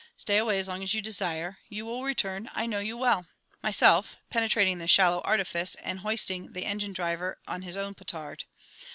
Stay away as long as you desire. You will return, I know you well! Myself (penetrating this shallow artifice, and hoisting the engine driver on his own petard).